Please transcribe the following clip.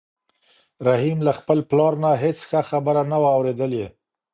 رحیم له خپل پلار نه هېڅ ښه خبره نه وه اورېدلې.